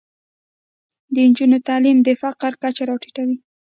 د نجونو تعلیم د فقر کچه راټیټوي.